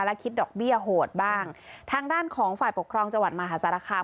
และคิดดอกเบี้ยโหดบ้างทางด้านของฝ่ายปกครองจังหวัดมหาสารคาม